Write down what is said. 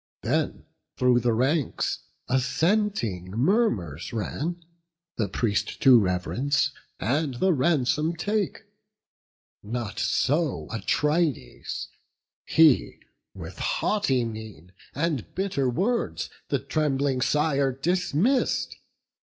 Then through the ranks assenting murmurs ran, The priest to rev'rence, and the ransom take: Not so Atrides; he, with haughty mien And bitter words, the trembling sire dismiss'd.